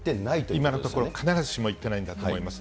今のところ、必ずしもいってないんだと思います。